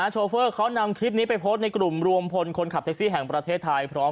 โชเฟอร์เขานำคลิปนี้ไปโพสต์ในกลุ่มรวมพลคนขับแท็กซี่แห่งประเทศไทยพร้อม